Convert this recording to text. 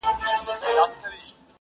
جهانی به له بهاره د سیلیو لښکر یوسي٫